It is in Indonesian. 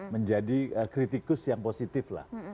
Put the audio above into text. menjadi kritikus yang positif lah